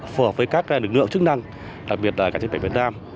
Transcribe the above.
phù hợp với các lực lượng chức năng đặc biệt là cảnh thủy việt nam